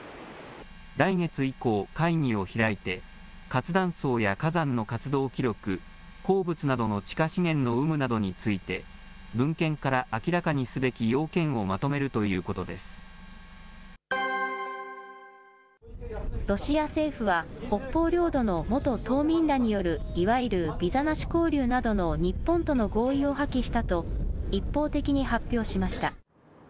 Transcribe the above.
来月以降、会議を開いて、活断層や火山の活動記録、鉱物などの地下資源の有無などについて、文献から明らかにすべき要件をまとめロシア政府は、北方領土の元島民らによるいわゆるビザなし交流などの日本との合意を破棄したと、一方的に発表しました。